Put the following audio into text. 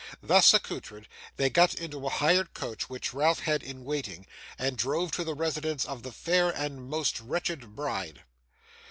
Thus accoutred, they got into a hired coach which Ralph had in waiting, and drove to the residence of the fair and most wretched bride.